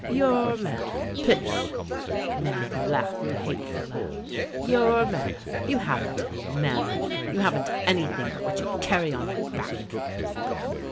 " Your manor — pish! " The man laughed a hateful laugh. '' Your manor ! You haven't any manor. You haven't anything but what you carry on your back!